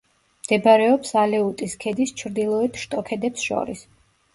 მდებარეობს ალეუტის ქედის ჩრდილოეთ შტოქედებს შორის.